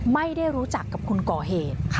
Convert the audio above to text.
ไม่ได้รู้จักกับคนก่อเหตุ